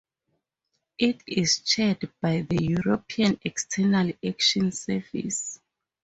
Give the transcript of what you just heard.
It is chaired by the European External Action Service.